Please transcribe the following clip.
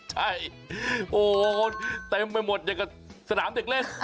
ใช่โอ้เต็มไปหมดอย่างกับสนามเด็กเล่น